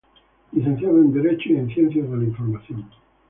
Licenciado en Derecho y en Ciencias de la Información.